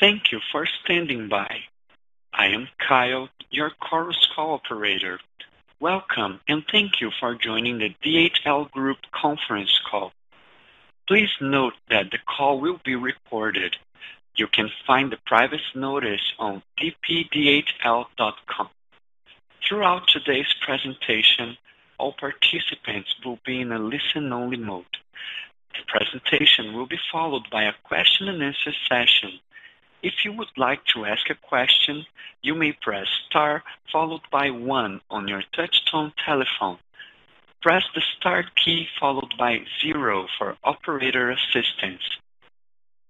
Thank you for standing by. I am Kyle, your Chorus Call operator. Welcome, and thank you for joining the DHL Group conference call. Please note that the call will be recorded. You can find the privacy notice on dpdhl.com. Throughout today's presentation, all participants will be in a listen-only mode. The presentation will be followed by a question-and-answer session. If you would like to ask a question, you may press Star followed by one on your touchtone telephone. Press the star key followed by zero for operator assistance.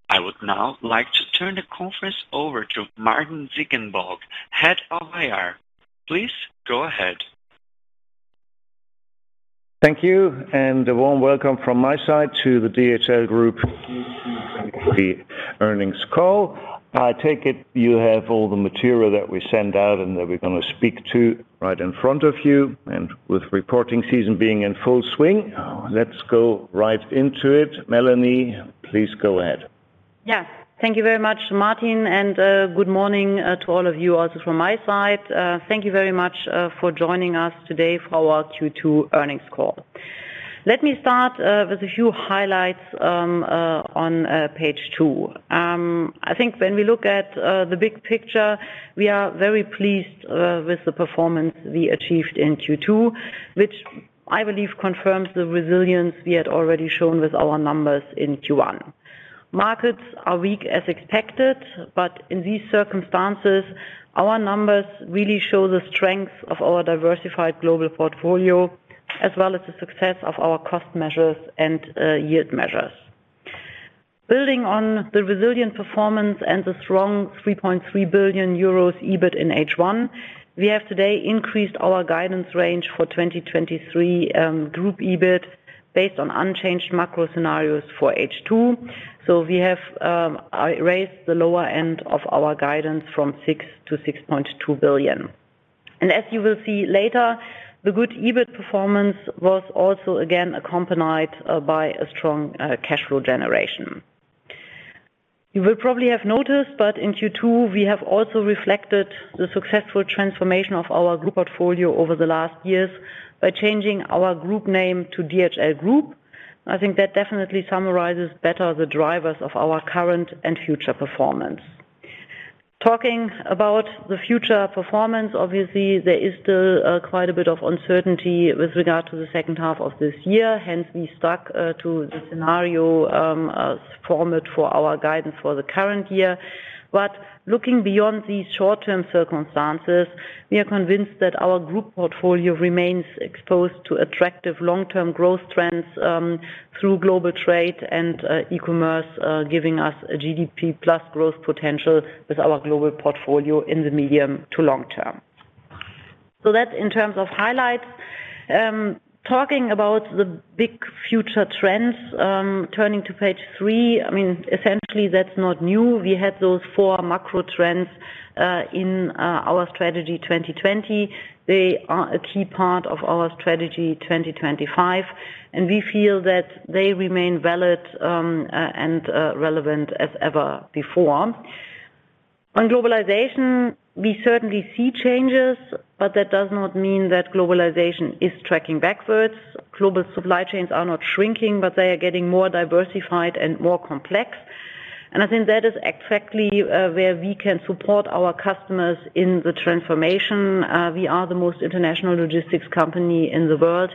I would now like to turn the conference over to Martin Ziegenbalg, Head of IR. Please go ahead. Thank you, and a warm welcome from my side to the DHL Group, the earnings call. I take it you have all the material that we sent out and that we're gonna speak to right in front of you and with reporting season being in full swing, let's go right into it. Melanie, please go ahead. Yes. Thank you very much, Martin, and good morning to all of you also from my side. Thank you very much for joining us today for our Q2 earnings call. Let me start with a few highlights on Page 2. I think when we look at the big picture, we are very pleased with the performance we achieved in Q2, which I believe confirms the resilience we had already shown with our numbers in Q1. Markets are weak as expected, but in these circumstances, our numbers really show the strength of our diversified global portfolio, as well as the success of our cost measures and yield measures. Building on the resilient performance and the strong 3.3 billion euros EBIT in H1, we have today increased our guidance range for 2023 group EBIT, based on unchanged macro scenarios for H2. We have raised the lower end of our guidance from 6 billion-6.2 billion. As you will see later, the good EBIT performance was also again accompanied by a strong cash flow generation. You will probably have noticed, in Q2, we have also reflected the successful transformation of our group portfolio over the last years by changing our group name to DHL Group. I think that definitely summarizes better the drivers of our current and future performance. Talking about the future performance, obviously, there is still quite a bit of uncertainty with regard to the second half of this year. Hence, we stuck to the scenario as formed for our guidance for the current year. Looking beyond these short-term circumstances, we are convinced that our group portfolio remains exposed to attractive long-term growth trends through global trade and e-commerce, giving us a GDP plus growth potential with our global portfolio in the medium to long-term. That's in terms of highlights. Talking about the big future trends, turning to Page 3, I mean, essentially, that's not new. We had those four macro trends in our strategy 2020. They are a key part of our strategy 2025, and we feel that they remain valid and relevant as ever before. On globalization, we certainly see changes, but that does not mean that globalization is tracking backwards. Global supply chains are not shrinking, they are getting more diversified and more complex. I think that is exactly where we can support our customers in the transformation. We are the most international logistics company in the world,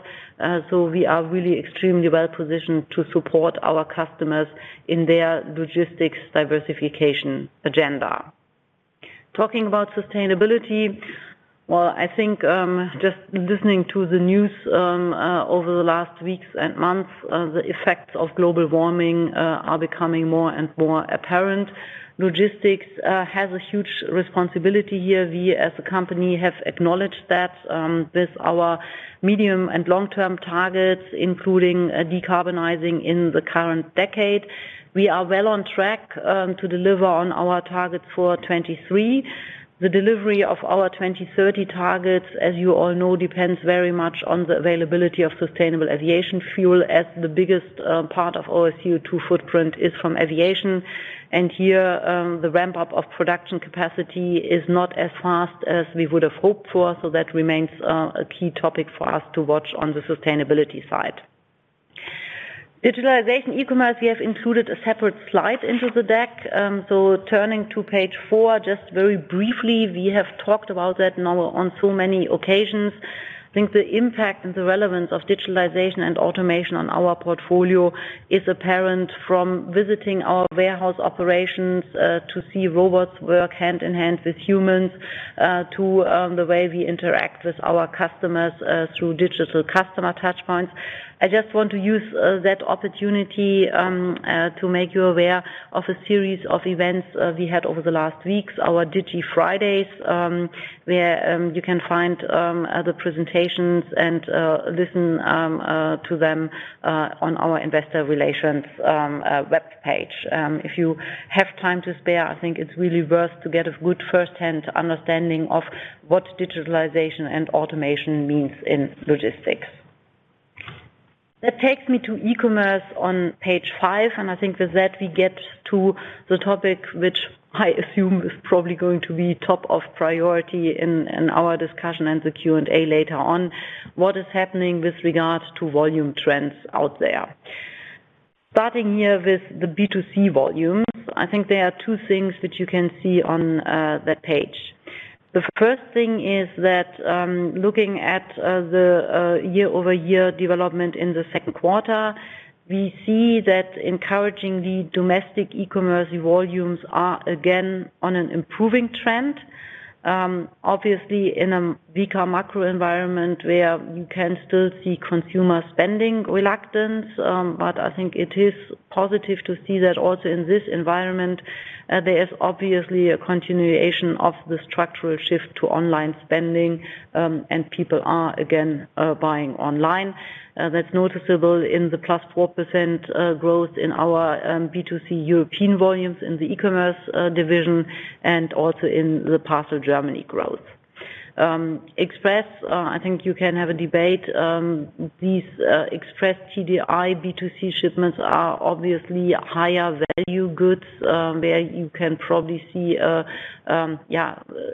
we are really extremely well-positioned to support our customers in their logistics diversification agenda. Talking about sustainability, well, I think just listening to the news over the last weeks and months, the effects of global warming are becoming more and more apparent. Logistics has a huge responsibility here. We, as a company, have acknowledged that with our medium and long-term targets, including decarbonizing in the current decade. We are well on track to deliver on our targets for 2023. The delivery of our 2030 targets, as you all know, depends very much on the availability of sustainable aviation fuel, as the biggest part of our CO2 footprint is from aviation. Here, the ramp-up of production capacity is not as fast as we would have hoped for, so that remains a key topic for us to watch on the sustainability side. Digitalization, e-commerce, we have included a separate slide into the deck. Turning to Page 4, just very briefly, we have talked about that now on so many occasions. I think the impact and the relevance of digitalization and automation on our portfolio is apparent from visiting our warehouse operations, to see robots work hand in hand with humans, to the way we interact with our customers, through digital customer touchpoints. I just want to use that opportunity to make you aware of a series of events we had over the last weeks, our DigiFridays, where you can find other presentations and listen to them on our investor relations web page. If you have time to spare, I think it's really worth to get a good first-hand understanding of what digitalization and automation means in logistics. That takes me to eCommerce on Page 5, and I think with that, we get to the topic, which I assume is probably going to be top of priority in our discussion and the Q&A later on. What is happening with regards to volume trends out there? Starting here with the B2C volumes, I think there are two things that you can see on that page. The first thing is that, looking at the year-over-year development in the second quarter, we see that encouraging the domestic eCommerce volumes are again, on an improving trend. Obviously, in a weaker macro environment, where we can still see consumer spending reluctance, but I think it is positive to see that also in this environment, there is obviously a continuation of the structural shift to online spending, and people are again, buying online. That's noticeable in the +4% growth in our B2C European volumes in the eCommerce division, and also in the Parcel Germany growth. Express, I think you can have a debate, these Express TDI B2C shipments are obviously higher value goods, where you can probably see a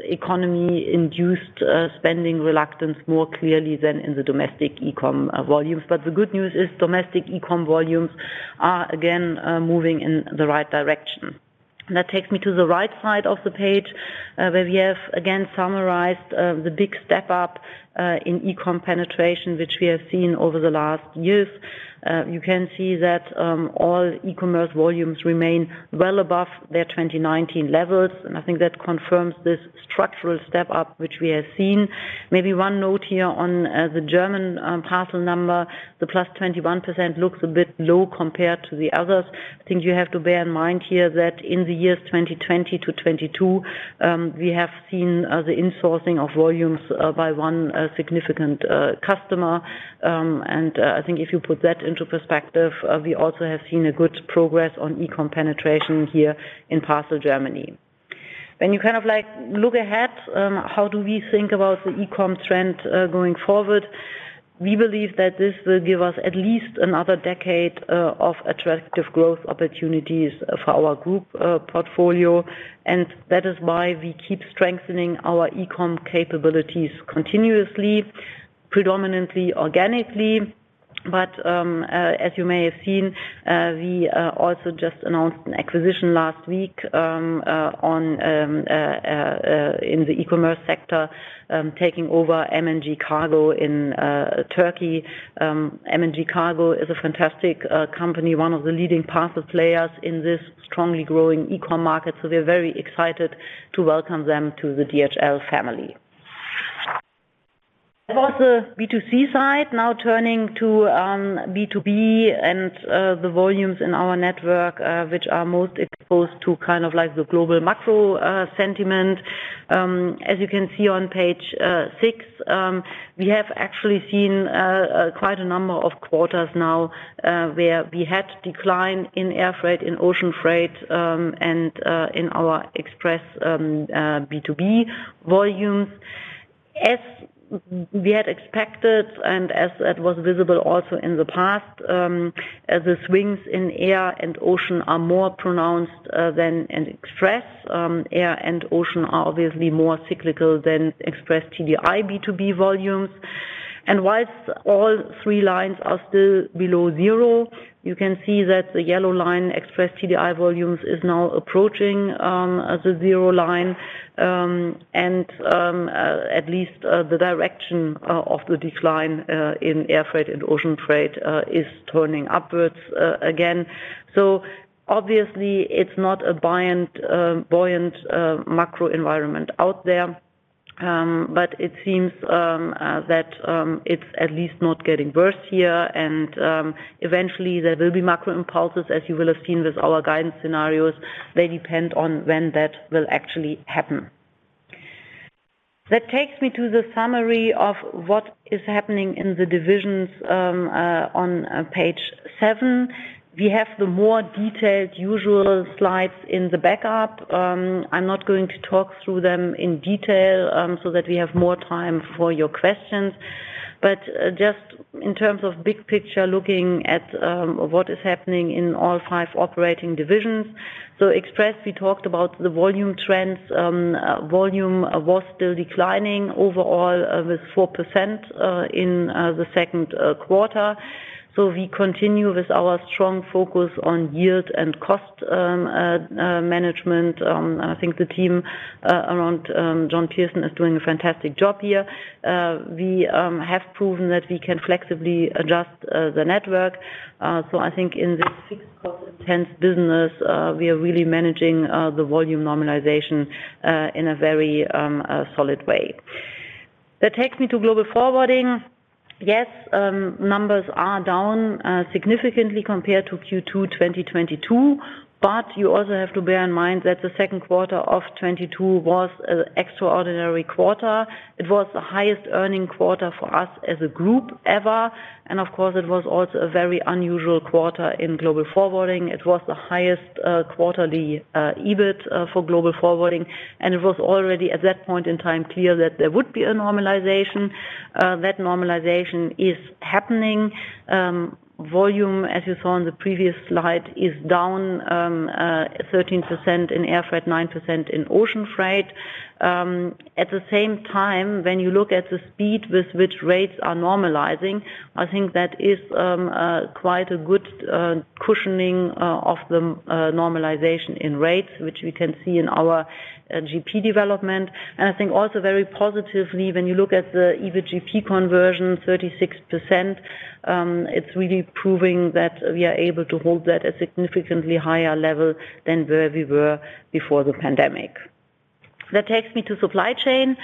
economy-induced spending reluctance more clearly than in the domestic eCom volumes. The good news is, domestic e-com volumes are again moving in the right direction. That takes me to the right side of the page, where we have again summarized the big step up in eCom penetration, which we have seen over the last years. You can see that all eCommerce volumes remain well above their 2019 levels, and I think that confirms this structural step up, which we have seen. Maybe one note here on the German parcel number, the +21% looks a bit low compared to the others. I think you have to bear in mind here that in the years 2020 to 2022, we have seen the insourcing of volumes by 1 significant customer. I think if you put that into perspective, we also have seen a good progress on eCom penetration here in Parcel Germany. When you kind of like, look ahead, how do we think about the eCom trend going forward? We believe that this will give us at least another decade of attractive growth opportunities for our group portfolio, and that is why we keep strengthening our eCom capabilities continuously, predominantly, organically. As you may have seen, we also just announced an acquisition last week on in the eCommerce sector, taking over MNG Kargo in Turkey. MNG Kargo is a fantastic company, one of the leading parcel players in this strongly growing eCom market, so we are very excited to welcome them to the DHL family. That was the B2C side, now turning to B2B and the volumes in our network, which are most exposed to kind of like the global macro sentiment. As you can see on Page 6, we have actually seen quite a number of quarters now, where we had decline in air freight, in ocean freight, and in our Express B2B volumes. As we had expected and as that was visible also in the past, as the swings in air and ocean are more pronounced than in Express, air and ocean are obviously more cyclical than Express TDI B2B volumes. Whilst all three lines are still below zero, you can see that the yellow line, Express TDI volumes, is now approaching the zero line. At least, the direction of the decline in air freight and ocean freight is turning upwards again. Obviously, it's not a buoyant, buoyant macro environment out there, but it seems that it's at least not getting worse here. Eventually, there will be macro impulses, as you will have seen with our guidance scenarios, they depend on when that will actually happen. That takes me to the summary of what is happening in the divisions on Page 7. We have the more detailed, usual slides in the backup. I'm not going to talk through them in detail, so that we have more time for your questions. Just in terms of big picture, looking at what is happening in all five operating divisions. Express, we talked about the volume trends. Volume was still declining overall, with 4%, in the second quarter. We continue with our strong focus on yield and cost management. I think the team around John Pearson is doing a fantastic job here. We have proven that we can flexibly adjust the network. I think in this fixed cost intense business, we are really managing the volume normalization, in a very solid way. That takes me to Global Forwarding. Yes, numbers are down significantly compared to Q2 2022, but you also have to bear in mind that the second quarter of 2022 was an extraordinary quarter. It was the highest earning quarter for us as a group ever, and of course, it was also a very unusual quarter in Global Forwarding. It was the highest quarterly EBIT for Global Forwarding, and it was already, at that point in time, clear that there would be a normalization. That normalization is happening. Volume, as you saw on the previous slide, is down 13% in air freight, 9% in ocean freight.... At the same time, when you look at the speed with which rates are normalizing, I think that is quite a good cushioning of the normalization in rates, which we can see in our GP development. I think also very positively, when you look at the EVA GP conversion, 36%, it's really proving that we are able to hold that at a significantly higher level than where we were before the pandemic. That takes me to supply chain.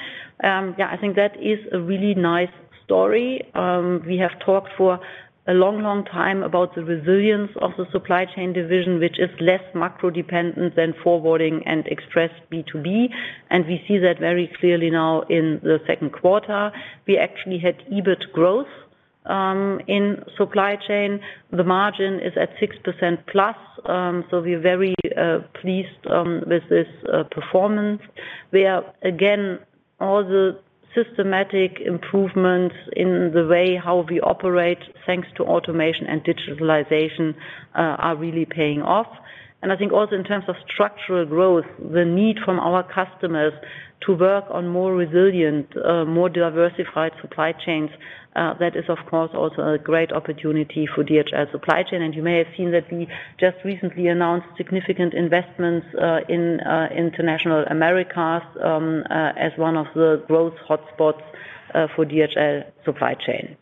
Yeah, I think that is a really nice story. We have talked for a long, long time about the resilience of the Supply Chain division, which is less macro-dependent than forwarding and express B2B, and we see that very clearly now in the second quarter. We actually had EBIT growth in Supply Chain. The margin is at 6%+, so we are very pleased with this performance. We are, again, all the systematic improvements in the way how we operate, thanks to automation and digitalization, are really paying off. I think also in terms of structural growth, the need from our customers to work on more resilient, more diversified supply chains, that is, of course, also a great opportunity for DHL Supply Chain. You may have seen that we just recently announced significant investments in International Americas as one of the growth hotspots for DHL Supply Chain.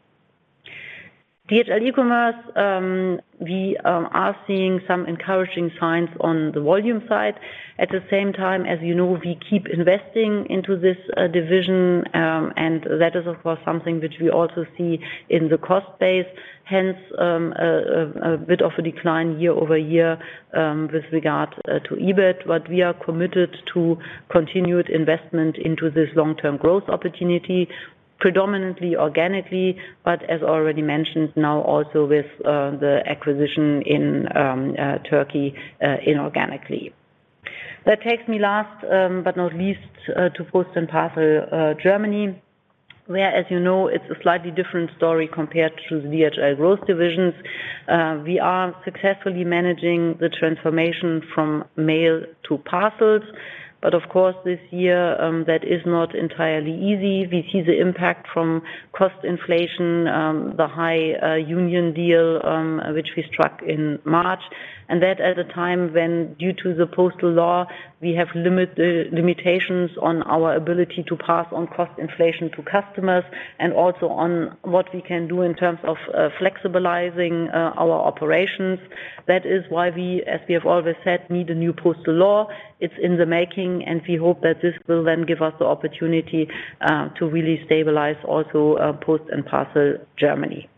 DHL eCommerce, we are seeing some encouraging signs on the volume side. At the same time, as you know, we keep investing into this division, and that is, of course, something which we also see in the cost base. Hence, a bit of a decline year-over-year with regard to EBIT. We are committed to continued investment into this long-term growth opportunity, predominantly, organically, but as already mentioned, now also with the acquisition in Turkey, inorganically. That takes me last, but not least, to Post & Parcel Germany, where, as you know, it's a slightly different story compared to the DHL Growth divisions. We are successfully managing the transformation from mail to parcels, but of course, this year, that is not entirely easy. We see the impact from cost inflation, the high union deal, which we struck in March. That at a time when, due to the Postal Act, we have limitations on our ability to pass on cost inflation to customers, and also on what we can do in terms of flexibilizing our operations. That is why we, as we have always said, need a new Postal Act. It's in the making. We hope that this will then give us the opportunity to really stabilize also Post & Parcel Germany.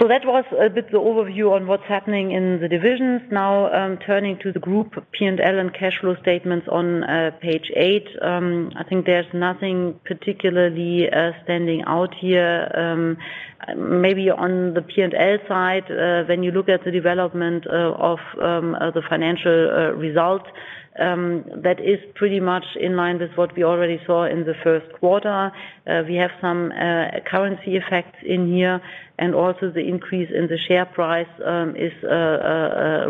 That was a bit the overview on what's happening in the divisions. Now, turning to the group P&L and cash flow statements on Page 8. I think there's nothing particularly standing out here. Maybe on the P&L side, when you look at the development of the financial results, that is pretty much in line with what we already saw in the first quarter. We have some currency effects in here, and also the increase in the share price is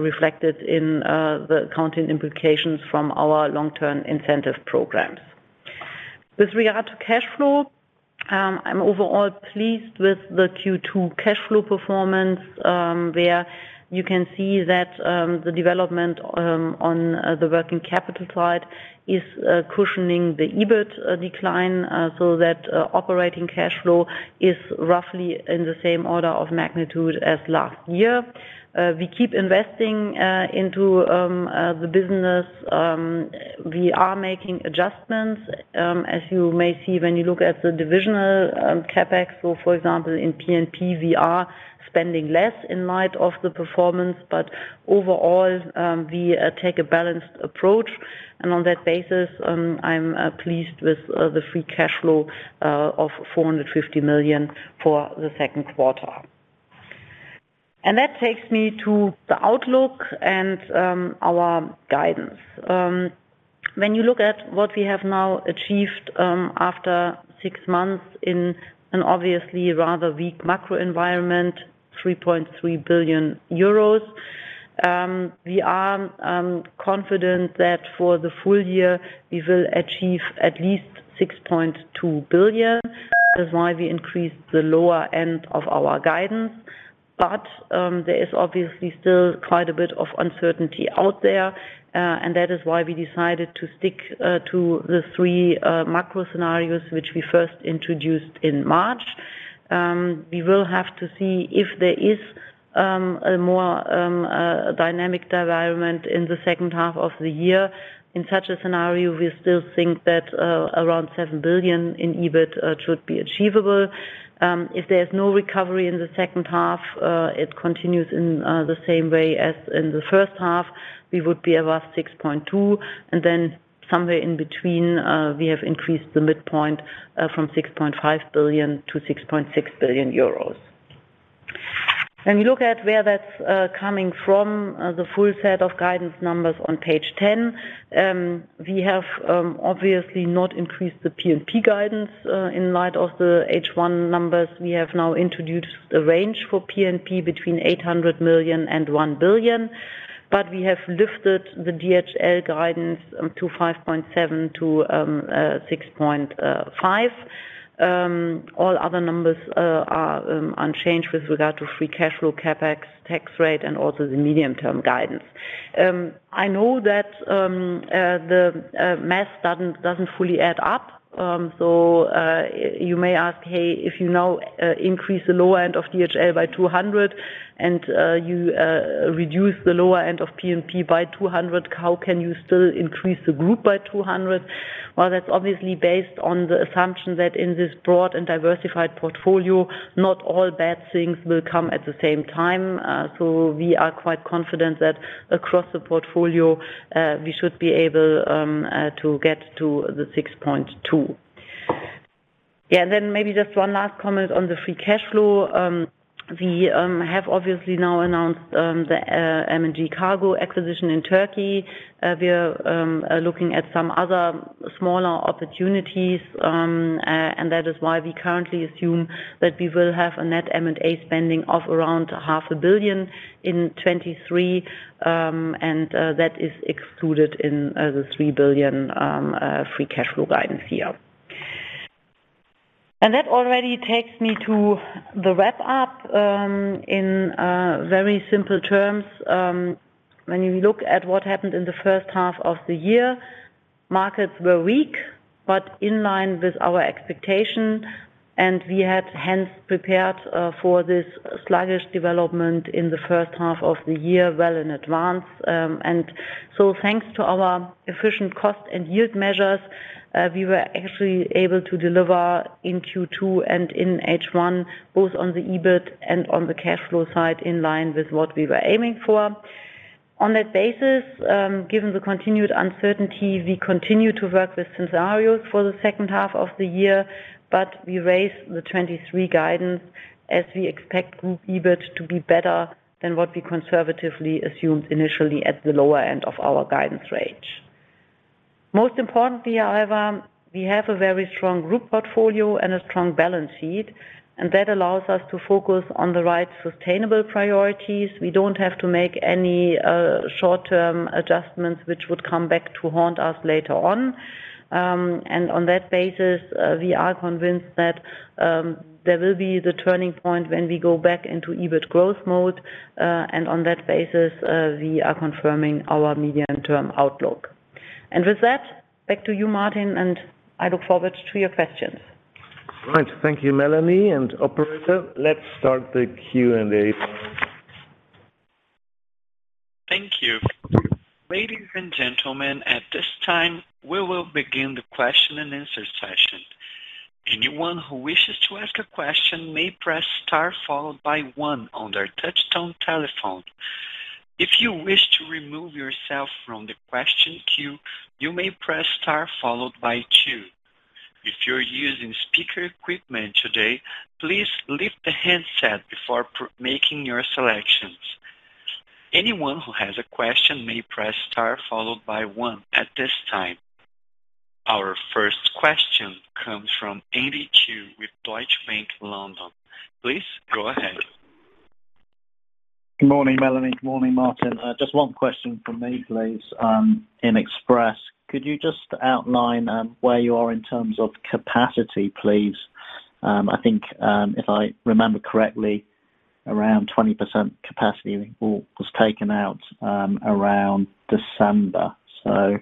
reflected in the accounting implications from our long-term incentive programs. With regard to cash flow, I'm overall pleased with the Q2 cash flow performance, where you can see that the development on the working capital side is cushioning the EBIT decline, so that operating cash flow is roughly in the same order of magnitude as last year. We keep investing into the business. We are making adjustments, as you may see when you look at the divisional CapEx. For example, in P&P, we are spending less in light of the performance, but overall, we take a balanced approach. On that basis, I'm pleased with the free cash flow of 450 million for the second quarter. That takes me to the outlook and our guidance. When you look at what we have now achieved, after 6 months in an obviously rather weak macro environment, 3.3 billion euros, we are confident that for the full year we will achieve at least 6.2 billion. That is why we increased the lower end of our guidance. There is obviously still quite a bit of uncertainty out there, and that is why we decided to stick to the three macro scenarios which we first introduced in March. We will have to see if there is a more dynamic environment in the second half of the year. In such a scenario, we still think that around 7 billion in EBIT should be achievable. If there's no recovery in the second half, it continues in the same way as in the first half, we would be above 6.2 billion, and then somewhere in between, we have increased the midpoint from 6.5 billion-6.6 billion euros. When you look at where that's coming from, the full set of guidance numbers on Page 10, we have obviously not increased the P&P guidance. In light of the H1 numbers, we have now introduced a range for P&P between 800 million and 1 billion. We have lifted the DHL guidance to 5.7 billion-6.5 billion. All other numbers are unchanged with regard to free cash flow, CapEx, tax rate, and also the medium-term guidance. I know that the math doesn't fully add up. So you may ask, Hey, if you now increase the lower end of DHL by 200 and you reduce the lower end of P&P by 200, how can you still increase the group by 200? Well, that's obviously based on the assumption that in this broad and diversified portfolio, not all bad things will come at the same time. So we are quite confident that across the portfolio, we should be able to get to the 6.2 billion. And then maybe just one last comment on the free cash flow. We have obviously now announced the MNG Kargo acquisition in Turkey. We are looking at some other smaller opportunities, and that is why we currently assume that we will have a net M&A spending of around 500 million in 2023, and that is excluded in the 3 billion free cash flow guidance here. That already takes me to the wrap up. In very simple terms, when you look at what happened in the first half of the year, markets were weak, but in line with our expectation, and we had hence prepared for this sluggish development in the first half of the year, well in advance. Thanks to our efficient cost and yield measures, we were actually able to deliver in Q2 and in H1, both on the EBIT and on the cash flow side, in line with what we were aiming for. On that basis, given the continued uncertainty, we continue to work with scenarios for the second half of the year. We raised the 2023 guidance as we expect group EBIT to be better than what we conservatively assumed initially at the lower end of our guidance range. Most importantly, however, we have a very strong group portfolio and a strong balance sheet. That allows us to focus on the right sustainable priorities. We don't have to make any short-term adjustments which would come back to haunt us later on. On that basis, we are convinced that there will be the turning point when we go back into EBIT growth mode, and on that basis, we are confirming our medium-term outlook. With that, back to you, Martin, and I look forward to your questions. Right. Thank you, Melanie, and operator, let's start the Q&A please. Thank you. Ladies and gentlemen, at this time, we will begin the question-and-answer session. Anyone who wishes to ask a question may press Star followed by one on their touchtone telephone. If you wish to remove yourself from the question queue, you may press Star followed by two. If you're using speaker equipment today, please leave the handset before making your selections. Anyone who has a question may press Star followed by one at this time. Our first question comes from Andy Chu with Deutsche Bank, London. Please go ahead. Good morning, Melanie. Good morning, Martin. Just one question from me, please, in Express. Could you just outline, where you are in terms of capacity, please? I think, if I remember correctly, around 20% capacity in August was taken out, around December. Could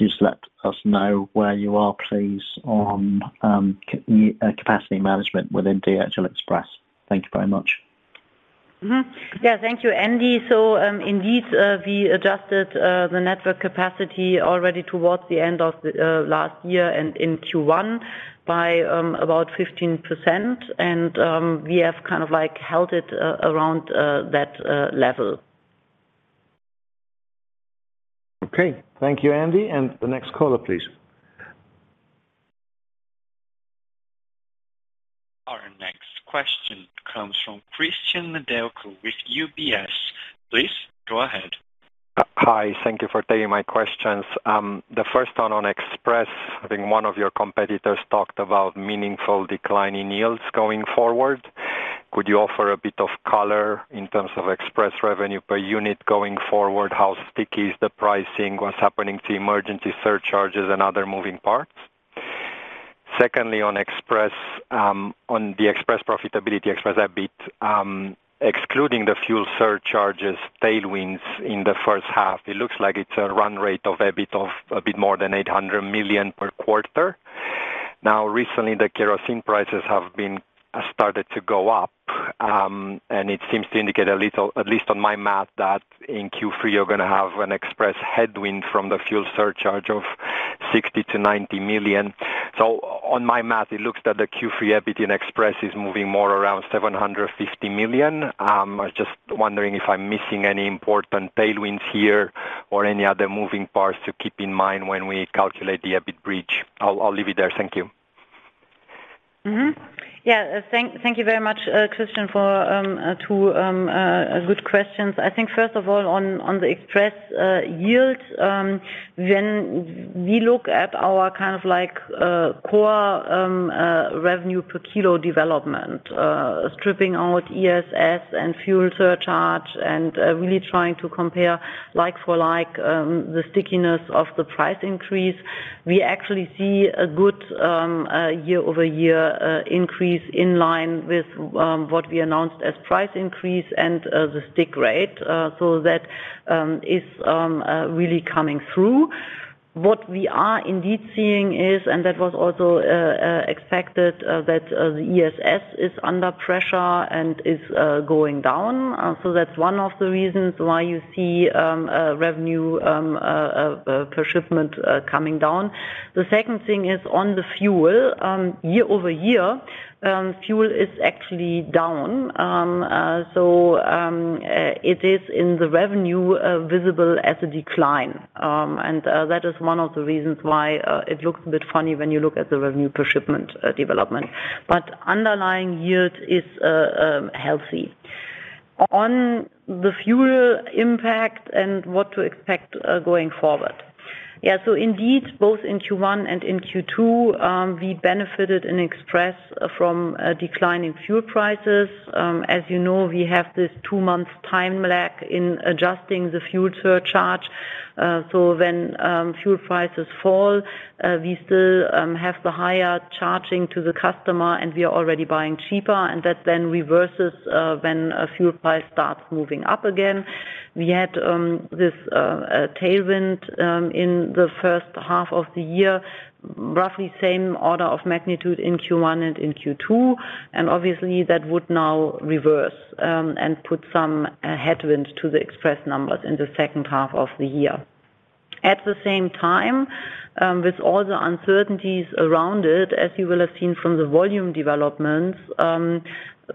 you just let us know where you are, please, on capacity management within DHL Express? Thank you very much. Yeah, thank you, Andy. Indeed, we adjusted the network capacity already towards the end of the last year and in Q1 by about 15%, and we have kind of, like, held it around that level. Okay. Thank you, Andy. The next caller, please. Our next question comes from Cristian Nedelcu with UBS. Please go ahead. Hi, thank you for taking my questions. The first one on Express. I think one of your competitors talked about meaningful decline in yields going forward. Could you offer a bit of color in terms of Express revenue per unit going forward? How sticky is the pricing? What's happening to emergency surcharges and other moving parts? Secondly, on Express, on the Express profitability, Express EBIT, excluding the fuel surcharges tailwinds in the first half, it looks like it's a run rate of a bit of, a bit more than 800 million per quarter. Now, recently, the kerosene prices have been started to go up, and it seems to indicate a little, at least on my math, that in Q3, you're gonna have an Express headwind from the fuel surcharge of 60 million-90 million. On my math, it looks that the Q3 EBIT in Express is moving more around 750 million. I was just wondering if I'm missing any important tailwinds here or any other moving parts to keep in mind when we calculate the EBIT bridge. I'll, I'll leave it there. Thank you. Yeah, thank, thank you very much, Cristian, for two good questions. I think first of all, on the express yield, when we look at our kind of like core revenue per kilo development, stripping out ESS and fuel surcharge, and really trying to compare like for like, the stickiness of the price increase, we actually see a good year-over-year increase in line with what we announced as price increase and the stick rate. That is really coming through. What we are indeed seeing is, and that was also expected, that the ESS is under pressure and is going down. That's one of the reasons why you see revenue per shipment coming down. The second thing is on the fuel. Year-over-year, fuel is actually down. It is in the revenue visible as a decline. That is one of the reasons why it looks a bit funny when you look at the revenue per shipment development, but underlying yield is healthy. On the fuel impact and what to expect going forward. Indeed, both in Q1 and in Q2, we benefited in Express from a decline in fuel prices. As you know, we have this two-month time lag in adjusting the fuel surcharge. When fuel prices fall, we still have the higher charging to the customer, and we are already buying cheaper, and that then reverses when a fuel price starts moving up again. We had this tailwind in the first half of the year, roughly same order of magnitude in Q1 and in Q2, and obviously that would now reverse and put some headwind to the Express numbers in the second half of the year. At the same time, with all the uncertainties around it, as you will have seen from the volume developments,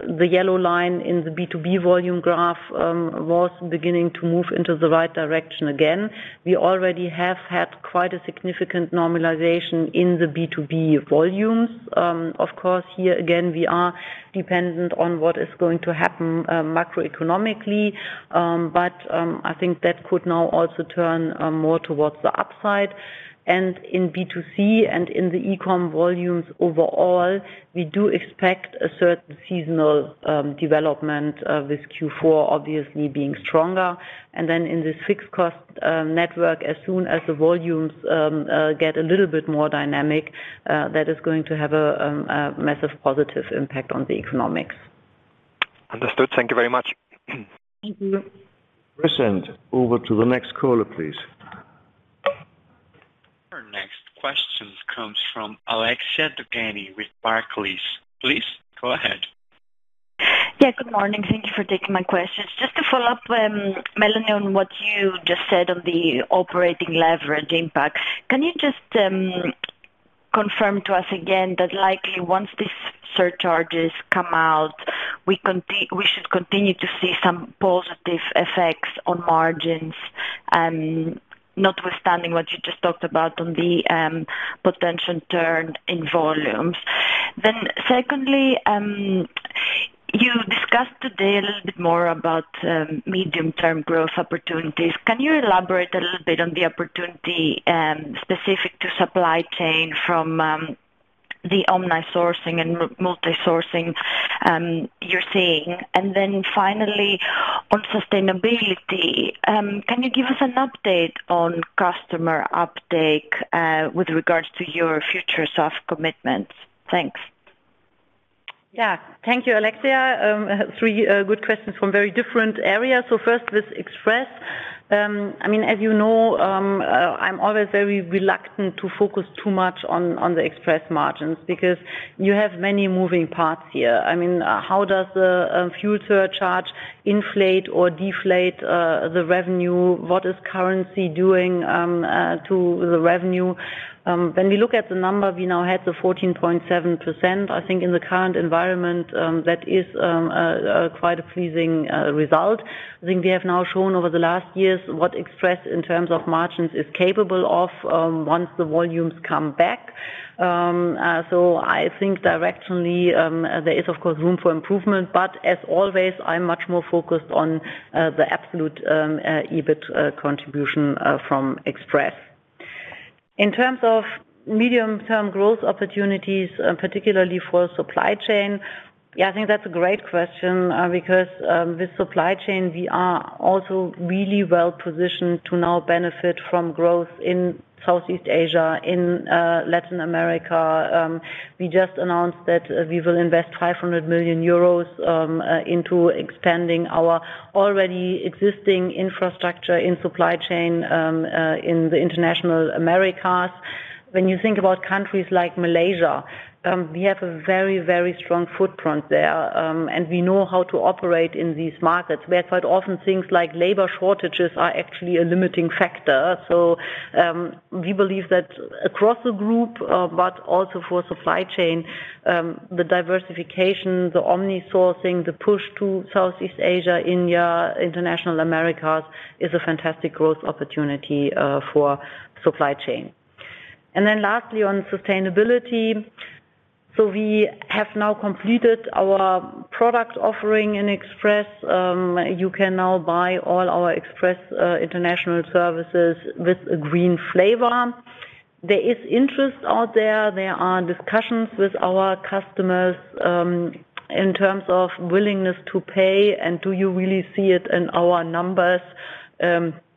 the yellow line in the B2B volume graph was beginning to move into the right direction again. We already have had quite a significant normalization in the B2B volumes. Of course, here again, we are dependent on what is going to happen macroeconomically. I think that could now also turn more towards the upside. In B2C and in the eCom volumes overall, we do expect a certain seasonal development with Q4 obviously being stronger. Then in this fixed cost network, as soon as the volumes get a little bit more dynamic, that is going to have a massive positive impact on the economics. Understood. Thank you very much. Thank you. Present over to the next caller, please. Our next question comes from Alexia Dogani with Barclays. Please go ahead. Yeah, good morning. Thank you for taking my questions. Just to follow up, Melanie, on what you just said on the operating leverage impact, can you just confirm to us again that likely, once these surcharges come out, we should continue to see some positive effects on margins, notwithstanding what you just talked about on the potential turn in volumes? Secondly, you discussed today a little bit more about medium-term growth opportunities. Can you elaborate a little bit on the opportunity specific to Supply Chain from the omni-sourcing and multi-sourcing you're seeing? Finally, on sustainability, can you give us an update on customer uptake with regards to your future SAF commitments? Thanks. Yeah. Thank you, Alexia. Three good questions from very different areas. First, with Express, I mean, as you know, I'm always very reluctant to focus too much on the Express margins because you have many moving parts here. I mean, how does the fuel surcharge inflate or deflate the revenue? What is currency doing to the revenue? When we look at the number, we now have the 14.7%. I think in the current environment, that is quite a pleasing result. I think we have now shown over the last years what Express, in terms of margins, is capable of, once the volumes come back. I think directionally, there is, of course, room for improvement, but as always, I'm much more focused on the absolute EBIT contribution from Express. In terms of medium-term growth opportunities, and particularly for Supply Chain, yeah, I think that's a great question, because with Supply Chain, we are also really well positioned to now benefit from growth in Southeast Asia, in Latin America. We just announced that we will invest 500 million euros into expanding our already existing infrastructure in Supply Chain in the International Americas. When you think about countries like Malaysia, we have a very, very strong footprint there, and we know how to operate in these markets, where quite often things like labor shortages are actually a limiting factor. We believe that across the group, but also for Supply Chain, the diversification, the omni-sourcing, the push to Southeast Asia, India, International Americas, is a fantastic growth opportunity for Supply Chain. Lastly, on sustainability, we have now completed our product offering in Express. You can now buy all our Express international services with a green flavor. There is interest out there, there are discussions with our customers in terms of willingness to pay. Do you really see it in our numbers?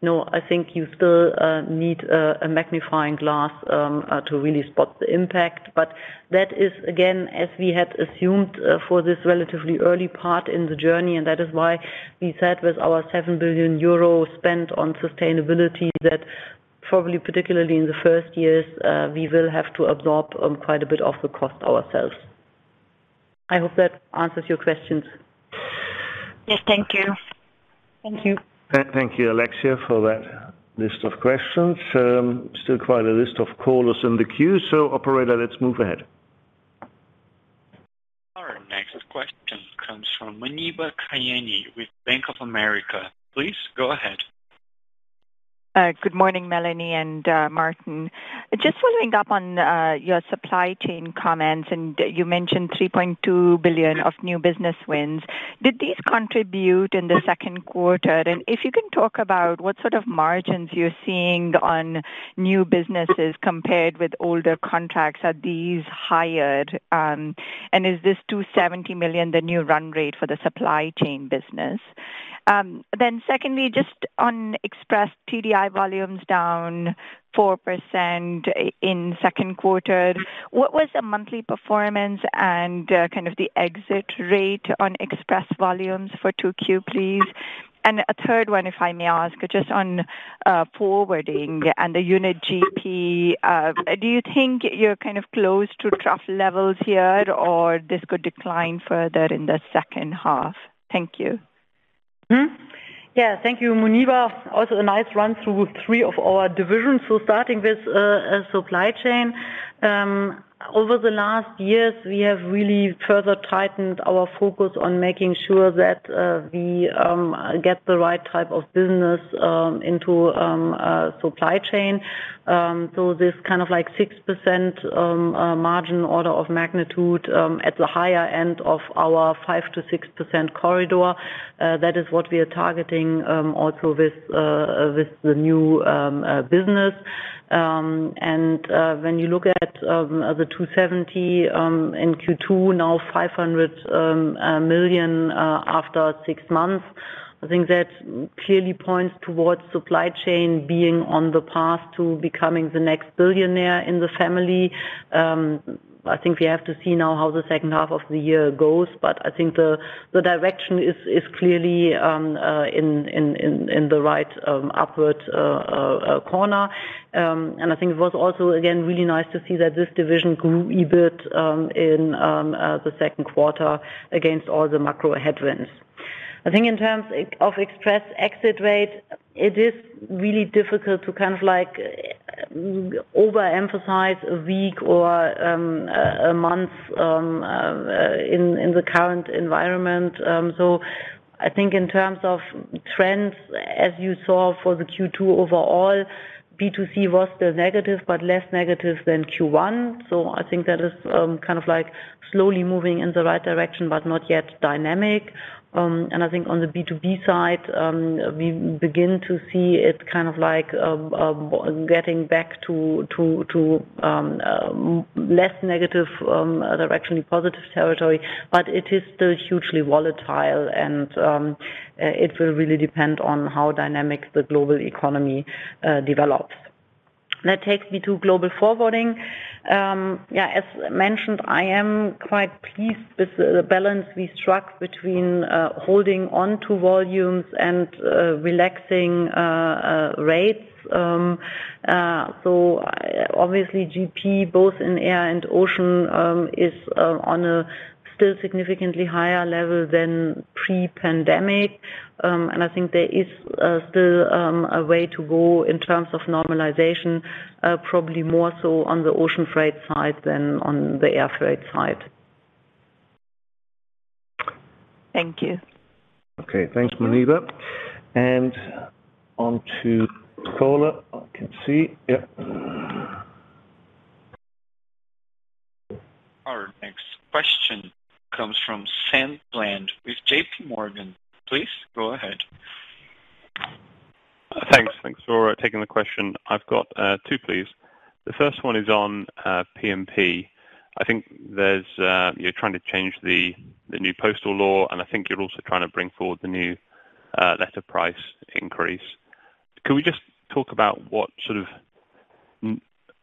No, I think you still need a magnifying glass to really spot the impact. That is, again, as we had assumed, for this relatively early part in the journey, and that is why we said with our 7 billion euro spent on sustainability, that probably, particularly in the first years, we will have to absorb, quite a bit of the cost ourselves. I hope that answers your questions. Yes. Thank you. Thank you. Thank you, Alexia, for that list of questions. Still quite a list of callers in the queue. Operator, let's move ahead. Our next question comes from Muneeba Kayani with Bank of America. Please go ahead. Good morning, Melanie and Martin. Just following up on your supply chain comments, you mentioned 3.2 billion of new business wins. Did these contribute in the second quarter? If you can talk about what sort of margins you're seeing on new businesses compared with older contracts, are these higher? Is this 270 million, the new run rate for the Supply Chain business? Secondly, just on Express, TDI volume's down 4% in second quarter. What was the monthly performance and kind of the exit rate on Express volumes for 2Q, please? A third one, if I may ask, just on Forwarding and the unit GP, do you think you're kind of close to trough levels here, or this could decline further in the second half? Thank you. Yeah, thank you, Muneeba. Also a nice run through three of our divisions. Starting with supply chain. Over the last years, we have really further tightened our focus on making sure that we get the right type of business into supply chain. This kind of, like, 6% margin order of magnitude, at the higher end of our 5%-6% corridor, that is what we are targeting also with the new business. When you look at the 270 million in Q2, now 500 million after 6 months, I think that clearly points towards supply chain being on the path to becoming the next billionaire in the family. I think we have to see now how the second half of the year goes, but I think the direction is clearly in the right upward corner. And I think it was also, again, really nice to see that this division grew EBIT in the second quarter against all the macro headwinds. I think in terms of Express exit rate, it is really difficult to kind of like overemphasize a week or a month in the current environment. I think in terms of trends, as you saw for the Q2 overall, B2C was the negative, but less negative than Q1. I think that is kind of like slowly moving in the right direction, but not yet dynamic. I think on the B2B side, we begin to see it kind of like getting back to less negative, directionally positive territory, but it is still hugely volatile, and it will really depend on how dynamic the global economy develops. That takes me to Global Forwarding. Yeah, as mentioned, I am quite pleased with the balance we struck between holding on to volumes and relaxing rates. Obviously GP, both in air and ocean, is on a still significantly higher level than pre-pandemic. I think there is still a way to go in terms of normalization, probably more so on the ocean freight side than on the air freight side. Thank you. Okay, thanks, Muneeba. On to the caller. I can see. Yep. Our next question comes from Samuel Bland with JPMorgan. Please go ahead. Thanks. Thanks for taking the question. I've got two, please. The first one is on P&P. I think there's, you're trying to change the new Postal Act, and I think you're also trying to bring forward the new letter price increase. Could we just talk about what sort of,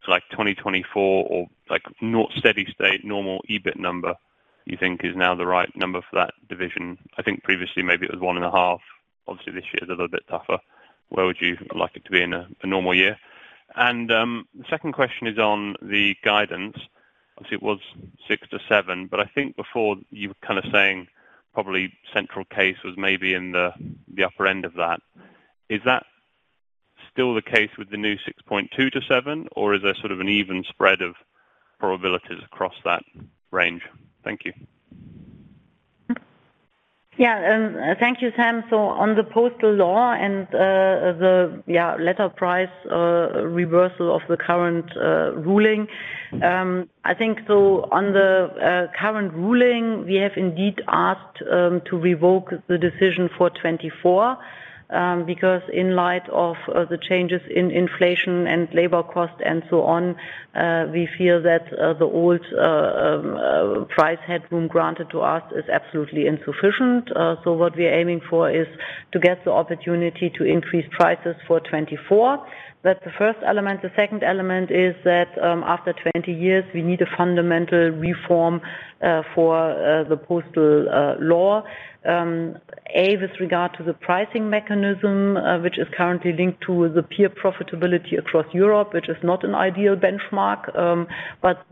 like, 2024 or, like, not steady state, normal EBIT number you think is now the right number for that division? I think previously maybe it was 1.5 billion. Obviously, this year is a little bit tougher. Where would you like it to be in a normal year? The second question is on the guidance. Obviously, it was 6 billion-7 billion, but I think before you were kind of saying probably central case was maybe in the upper end of that. Is that still the case with the new 6.2 billion-7 billion, or is there sort of an even spread of probabilities across that range? Thank you. Yeah, thank you, Sam. On the Postal Act and the, yeah, letter price reversal of the current ruling. I think so on the current ruling, we have indeed asked to revoke the decision for 2024 because in light of the changes in inflation and labor cost, and so on, we feel that the old price headroom granted to us is absolutely insufficient. So what we are aiming for is to get the opportunity to increase prices for 2024. That's the first element. The second element is that after 20 years, we need a fundamental reform for the postal law. A, with regard to the pricing mechanism, which is currently linked to the peer profitability across Europe, which is not an ideal benchmark.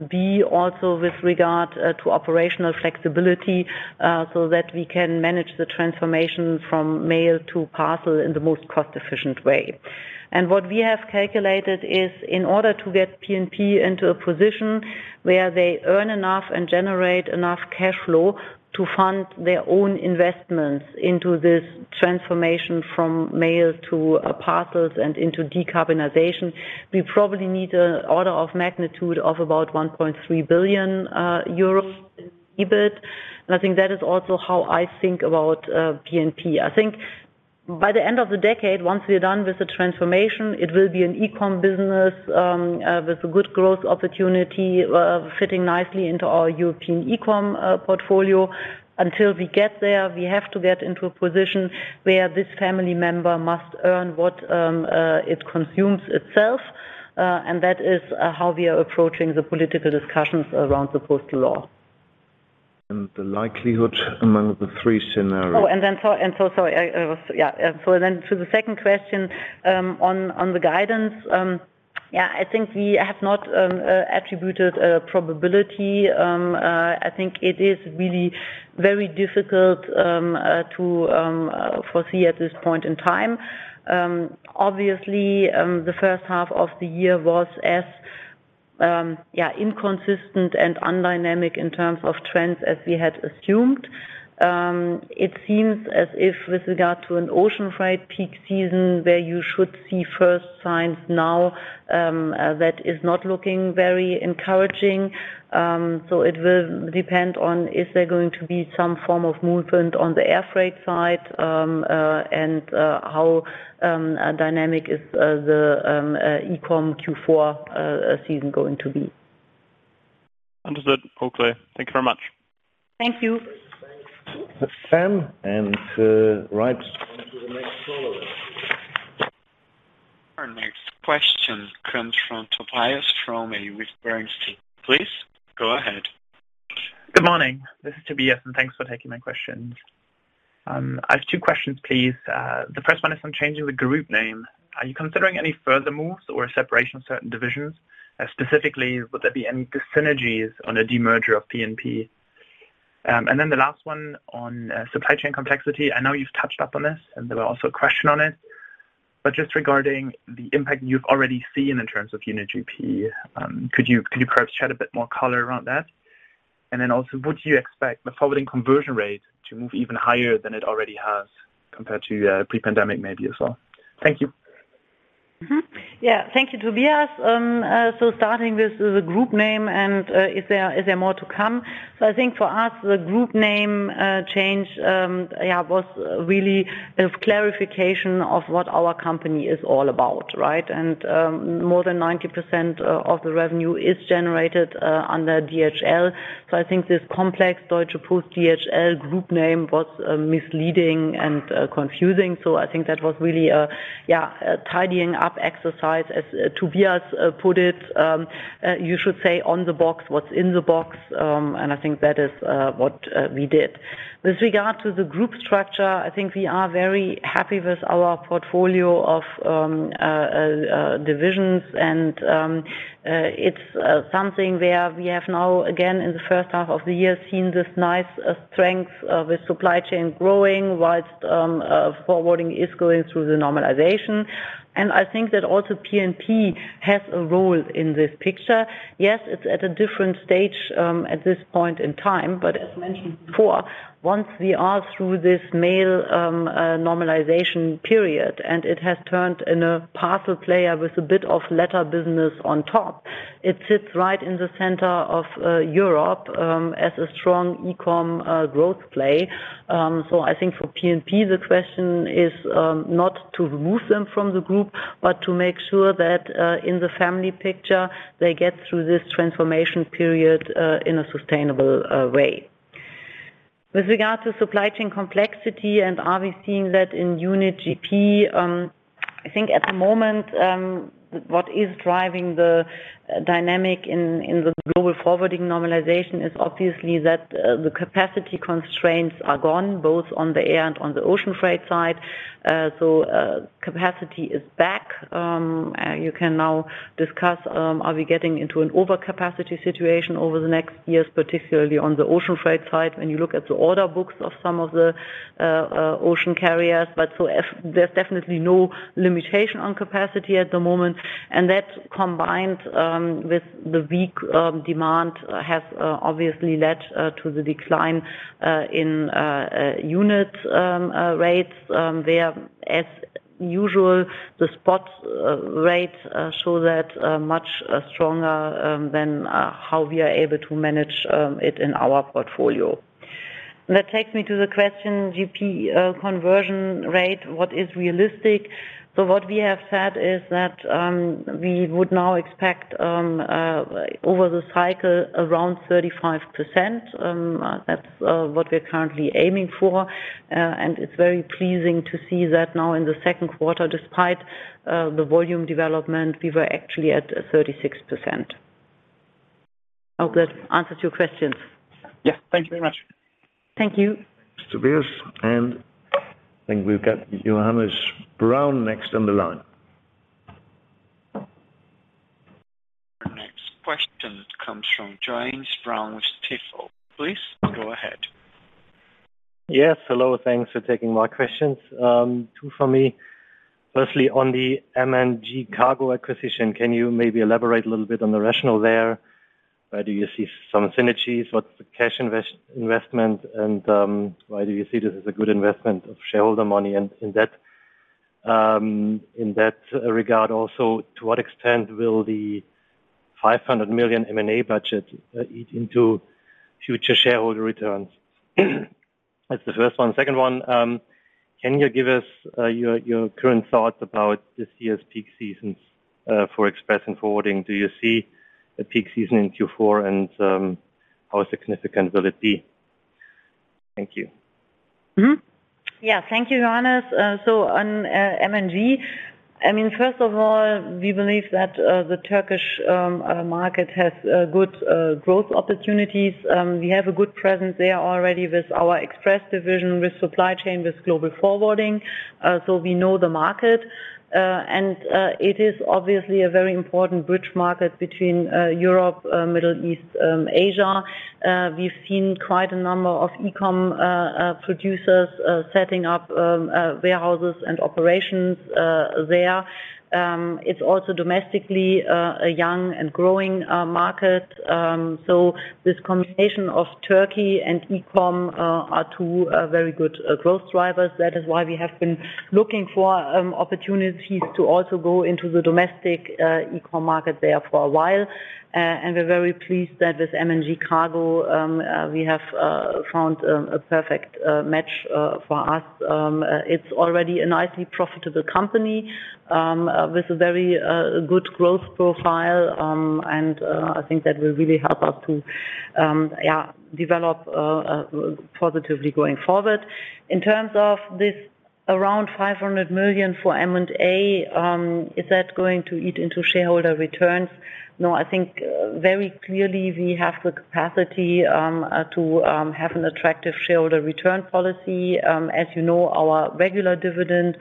B, also with regard to operational flexibility, so that we can manage the transformation from mail to parcel in the most cost-efficient way. What we have calculated is, in order to get P&P into a position where they earn enough and generate enough cash flow to fund their own investments into this transformation from mail to parcels and into decarbonization, we probably need an order of magnitude of about 1.3 billion euros in EBIT. I think that is also how I think about P&P. I think by the end of the decade, once we're done with the transformation, it will be an e-com business with a good growth opportunity, fitting nicely into our European eCom portfolio. Until we get there, we have to get into a position where this family member must earn what it consumes itself. And that is how we are approaching the political discussions around the Postal Act. The likelihood among the three scenarios? Oh, and then so, and so, sorry, Yeah, so then to the second question, on, on the guidance. Yeah, I think we have not attributed a probability. I think it is really very difficult to foresee at this point in time. Obviously, the first half of the year was as, yeah, inconsistent and undynamic in terms of trends, as we had assumed. It seems as if with regard to an ocean freight peak season, where you should see first signs now, that is not looking very encouraging. It will depend on, is there going to be some form of movement on the air freight side? How dynamic is the eCom Q4 season going to be? Understood. All clear. Thank you very much. Thank you. Sam and Right on to the next caller. Our next question comes from Tobias Fromme with Bernstein. Please go ahead. Good morning. This is Tobias. Thanks for taking my questions. I have two questions, please. The first one is on changing the group name. Are you considering any further moves or a separation of certain divisions? Specifically, would there be any synergies on a demerger of P&P? The last one on Supply Chain complexity. I know you've touched up on this, and there were also a question on it, but just regarding the impact you've already seen in terms of unit GP, could you, could you perhaps shed a bit more color around that? Also, would you expect the Forwarding conversion rate to move even higher than it already has, compared to pre-pandemic, maybe, as well? Thank you. Yeah. Thank you, Tobias. Starting with the group name and, is there, is there more to come? I think for us, the group name change, yeah, was really a clarification of what our company is all about, right? More than 90% of the revenue is generated under DHL. I think this complex Deutsche Post DHL Group name was misleading and confusing. I think that was really a, yeah, a tidying up exercise, as Tobias put it. You should say on the box, what's in the box, and I think that is what we did. With regard to the group structure, I think we are very happy with our portfolio of divisions and it's something where we have now, again, in the first half of the year, seen this nice strength of the supply chain growing, whilst Forwarding is going through the normalization. I think that also P&P has a role in this picture. Yes, it's at a different stage at this point in time, but as mentioned before, once we are through this mail normalization period, and it has turned in a parcel player with a bit of letter business on top, it sits right in the center of Europe as a strong e-com growth play. I think for P&P, the question is not to remove them from the group, but to make sure that in the family picture, they get through this transformation period in a sustainable way. With regard to supply chain complexity and are we seeing that in unit GP? I think at the moment, what is driving the dynamic in the Global Forwarding normalization is obviously that the capacity constraints are gone, both on the air and on the ocean freight side. Capacity is back. You can now discuss, are we getting into an overcapacity situation over the next years, particularly on the ocean freight side, when you look at the order books of some of the ocean carriers. There's definitely no limitation on capacity at the moment, and that combined with the weak demand has obviously led to the decline in unit rates, where as usual, the spot rates show that much stronger than how we are able to manage it in our portfolio. That takes me to the question, GP conversion rate, what is realistic? What we have said is that we would now expect over the cycle, around 35%. That's what we're currently aiming for. It's very pleasing to see that now in the second quarter, despite the volume development, we were actually at 36%. I hope that answers your question. Yes. Thank you very much. Thank you. Tobias. I think we've got Johannes Braun next on the line. Our next question comes from Johannes Braun with Stifel. Please, go ahead. Yes, hello, thanks for taking my questions. two for me. Firstly, on the MNG Kargo acquisition, can you maybe elaborate a little bit on the rationale there? Where do you see some synergies? What's the cash investment, and, why do you see this as a good investment of shareholder money? In that, in that regard, also, to what extent will the 500 million M&A budget eat into future shareholder returns? That's the first one. Second one, can you give us your current thoughts about this year's peak seasons for Express and Forwarding? Do you see a peak season in Q4 and how significant will it be? Thank you. Yeah, thank you, Johannes. On MNG, I mean, first of all, we believe that the Turkish market has good growth opportunities. We have a good presence there already with our Express division, with Supply Chain, with Global Forwarding. We know the market. It is obviously a very important bridge market between Europe, Middle East, Asia. We've seen quite a number of eCom producers setting up warehouses and operations there. It's also domestically a young and growing market. This combination of Turkey and eCom are two very good growth drivers. That is why we have been looking for opportunities to also go into the domestic eCom market there for a while. We're very pleased that with MNG Kargo, we have found a perfect match for us. It's already a nicely profitable company with a very good growth profile. I think that will really help us to, yeah, develop positively going forward. In terms of this around 500 million for M&A, is that going to eat into shareholder returns? No, I think very clearly we have the capacity to have an attractive shareholder return policy. As you know, our regular dividend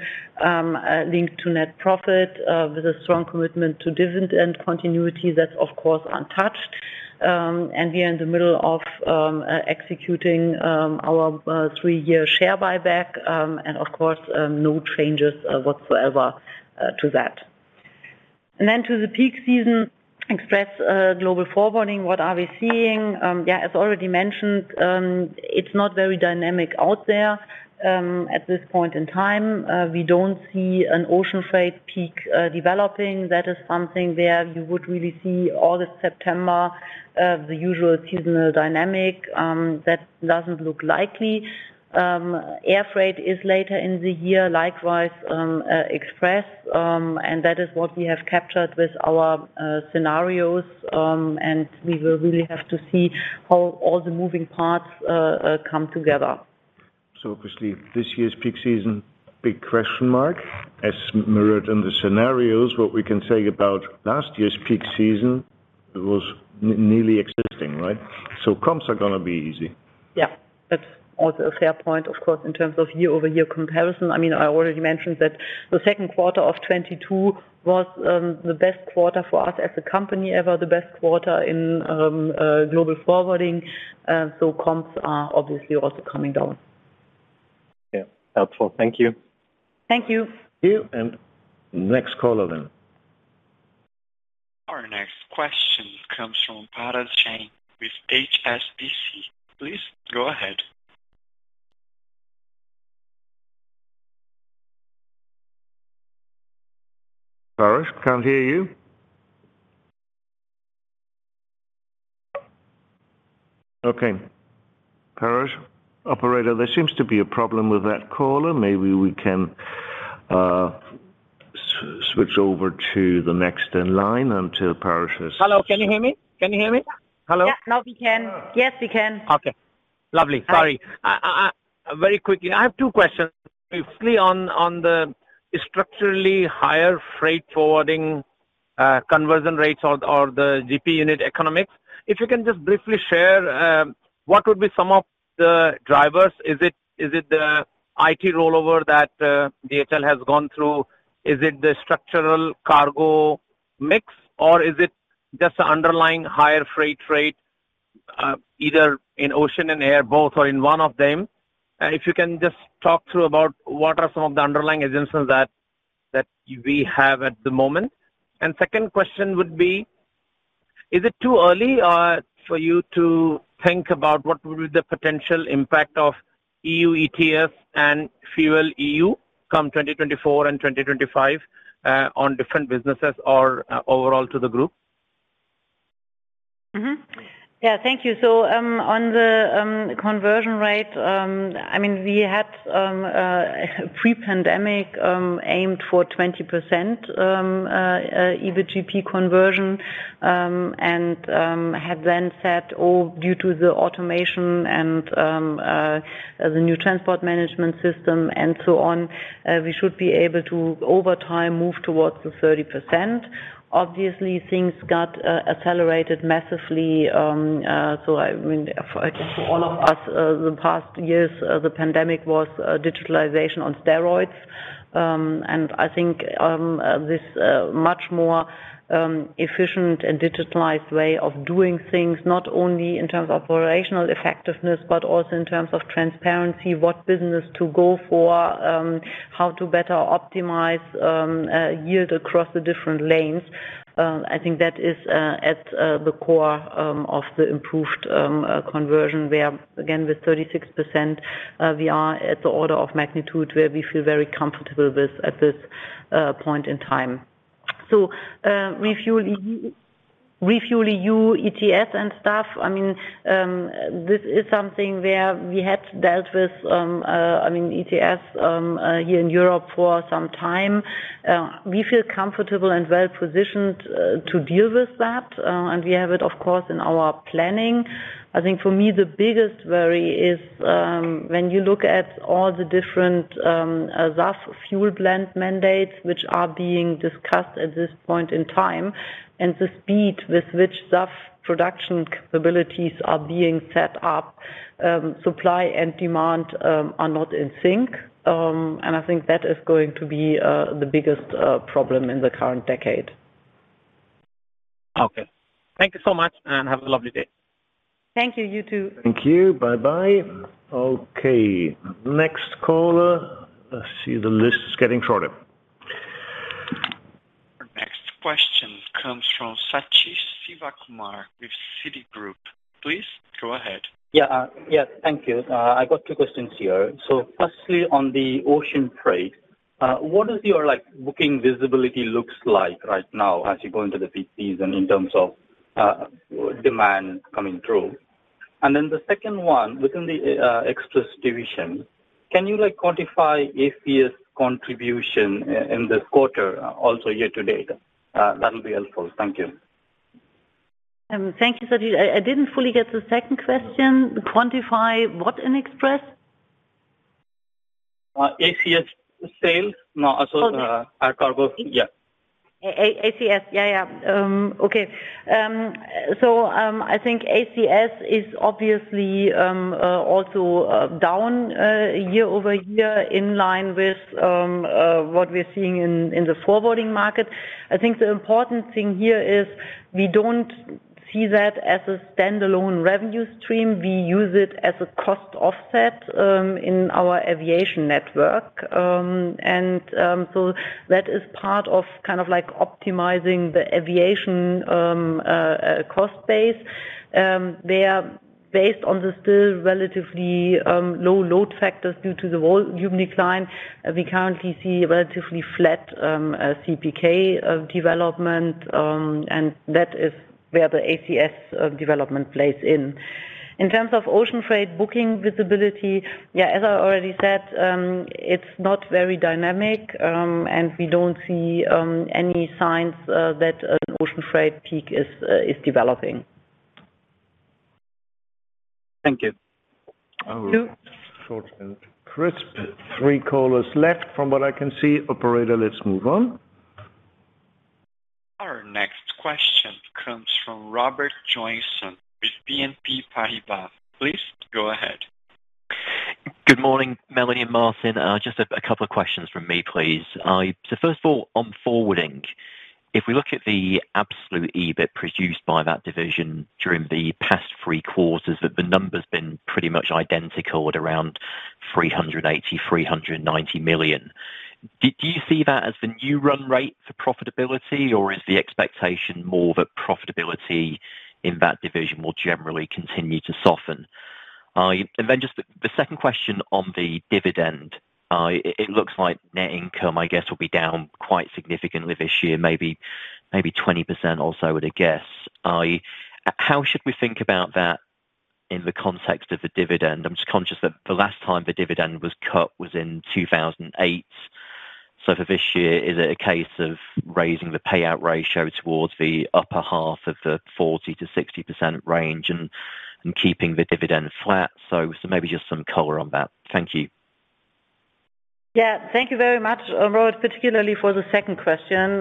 linked to net profit with a strong commitment to dividend continuity, that's of course, untouched. We are in the middle of executing our 3-year share buyback, and of course, no changes whatsoever to that. Then to the peak season, Express, Global Forwarding, what are we seeing? Yeah, as already mentioned, it's not very dynamic out there at this point in time. We don't see an ocean freight peak developing. That is something where you would really see all the September, the usual seasonal dynamic. That doesn't look likely. Air freight is later in the year, likewise, Express. That is what we have captured with our scenarios. We will really have to see how all the moving parts come together. obviously, this year's peak season, big question mark, as mirrored in the scenarios. What we can say about last year's peak season, it was non-existing, right? comps are gonna be easy. Yeah, that's also a fair point, of course, in terms of year-over-year comparison. I mean, I already mentioned that the second quarter of 2022 was the best quarter for us as a company ever, the best quarter in Global Forwarding. Comps are obviously also coming down. Yeah. Helpful. Thank you. Thank you. You, and next caller then. Our next question comes from Parash Jain with HSBC. Please go ahead. Paras, can't hear you. Okay. Paras? Operator, there seems to be a problem with that caller. Maybe we can switch over to the next in line until Paras is- Hello, can you hear me? Can you hear me? Hello? Yeah. Now, we can. Yes, we can. Okay. Lovely. Sorry. Very quickly, I have two questions. Briefly on, on the structurally higher Freight Forwarding, conversion rates or, or the GP unit economics. If you can just briefly share, what would be some of the drivers? Is it, is it the IT rollover that DHL has gone through? Is it the structural cargo mix, or is it just the underlying higher freight rate, either in ocean and air, both, or in one of them? If you can just talk through about what are some of the underlying agencies that, that we have at the moment. Second question would be Is it too early for you to think about what will be the potential impact of EU ETS and ReFuelEU come 2024 and 2025 on different businesses or overall to the group? Yeah, thank you. On the conversion rate, I mean, we had pre-pandemic aimed for 20% EVGP conversion, and had then said all due to the automation and the new transport management system and so on, we should be able to, over time, move towards the 30%. Obviously, things got accelerated massively, so, I mean, for, I guess for all of us, the past years, the pandemic was digitalization on steroids. I think this much more efficient and digitalized way of doing things, not only in terms of operational effectiveness, but also in terms of transparency, what business to go for, how to better optimize yield across the different lanes. I think that is at the core of the improved conversion, where again, with 36%, we are at the order of magnitude where we feel very comfortable with at this point in time. ReFuelEU EU ETS and stuff, I mean, this is something where we had dealt with, I mean, ETS here in Europe for some time. We feel comfortable and well-positioned to deal with that, and we have it, of course, in our planning. I think for me, the biggest worry is when you look at all the different SAF fuel blend mandates, which are being discussed at this point in time, and the speed with which SAF production capabilities are being set up, supply and demand are not in sync. I think that is going to be the biggest problem in the current decade. Okay. Thank you so much. Have a lovely day. Thank you, you too. Thank you. Bye-bye. Okay, next caller. I see the list is getting shorter. Our next question comes from Sathish Sivakumar with Citigroup. Please go ahead. Yeah, yeah, thank you. I've got two questions here. Firstly, on the ocean trade, what is your, like, booking visibility looks like right now as you go into the peak season in terms of demand coming through? Then the second one, within the Express division, can you, like, quantify ACS contribution in this quarter, also year-to-date? That'll be helpful. Thank you. Thank you, Sathish. I, I didn't fully get the second question. Quantify what in express? ACS sales, no, also. Okay. Air cargo. Yeah. ACS. Yeah, yeah. Okay. I think ACS is obviously also down year-over-year, in line with what we're seeing in the Forwarding market. I think the important thing here is we don't see that as a standalone revenue stream. We use it as a cost offset in our aviation network. That is part of optimizing the aviation cost base. They are based on the still relatively low load factors due to the volume decline. We currently see relatively flat CPK development, and that is where the ACS development plays in. In terms of ocean freight booking visibility, yeah, as I already said, it's not very dynamic, and we don't see any signs that an ocean freight peak is developing. Thank you. Oh, short and crisp. Three callers left from what I can see. Operator, let's move on. Our next question comes from Robert Joynson with BNP Paribas. Please go ahead. Good morning, Melanie and Martin. Just a couple of questions from me, please. First of all, on forwarding, if we look at the absolute EBIT produced by that division during the past 3 quarters, that the number's been pretty much identical at around 380 million-390 million. Do you see that as the new run rate for profitability, or is the expectation more that profitability in that division will generally continue to soften? Then just the second question on the dividend. It looks like net income, I guess, will be down quite significantly this year, maybe 20% or so I would guess. How should we think about that in the context of the dividend? I'm just conscious that the last time the dividend was cut was in 2008. For this year, is it a case of raising the payout ratio towards the upper half of the 40%-60% range and keeping the dividend flat? Maybe just some color on that. Thank you. Yeah, thank you very much, Rob, particularly for the second question,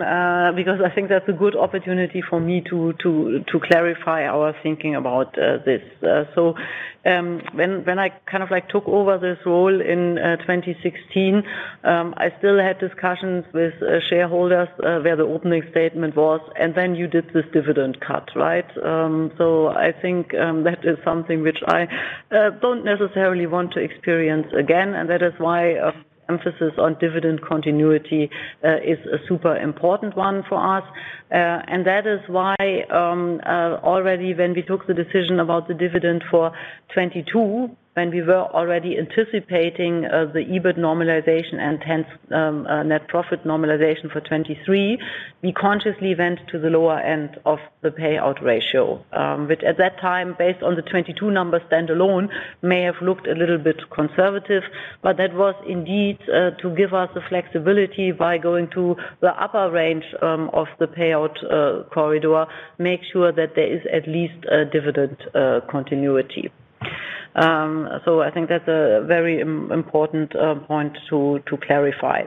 because I think that's a good opportunity for me to, to, to clarify our thinking about this. When, when I kind of, like, took over this role in 2016, I still had discussions with shareholders, where the opening statement was, you did this dividend cut, right? I think that is something which I don't necessarily want to experience again, that is why emphasis on dividend continuity is a super important one for us. That is why, already when we took the decision about the dividend for 2022, when we were already anticipating the EBIT normalization and hence, net profit normalization for 2023, we consciously went to the lower end of the payout ratio. Which at that time, based on the 2022 numbers standalone, may have looked a little bit conservative, but that was indeed to give us the flexibility by going to the upper range of the payout corridor, make sure that there is at least a dividend continuity. I think that's a very important point to clarify.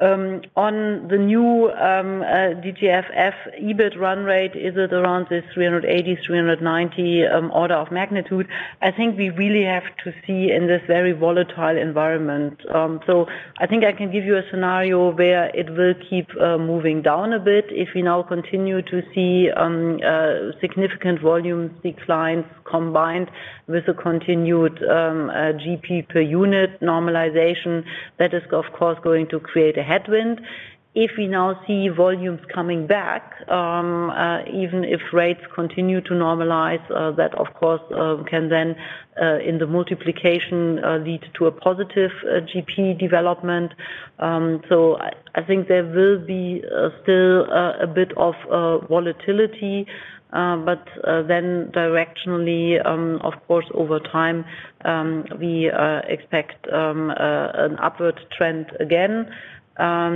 On the new DGFF EBIT run rate, is it around the 380 million, 390 million order of magnitude? I think we really have to see in this very volatile environment. I think I can give you a scenario where it will keep moving down a bit. If we now continue to see significant volume declines combined with a continued GP per unit normalization, that is, of course, going to create a headwind. If we now see volumes coming back, even if rates continue to normalize, that of course, can then, in the multiplication, lead to a positive GP development. I, I think there will be still a bit of volatility, but then directionally, of course, over time, we expect an upward trend again. I